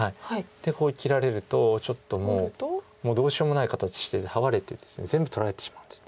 でここに切られるとちょっともうどうしようもない形しててハワれてですね全部取られてしまうんです。